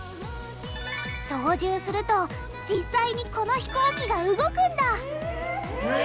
操縦すると実際にこの飛行機が動くんだえ！